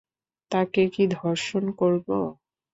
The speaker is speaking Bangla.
তাকে কি ধর্ষণ করব?